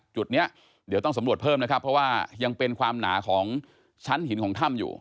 จุดนี้เดี๋ยวต้องสำรวจเพิ่มนะครับเพราะว่ายังเป็นความหนาของชั้นหินของถ้ำอยู่